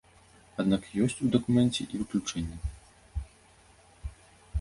Аднак ёсць у дакуменце і выключэнні.